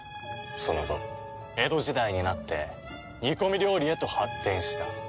その後江戸時代になって煮込み料理へと発展した。